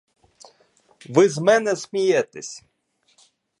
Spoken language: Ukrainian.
Ви з мене смієтесь.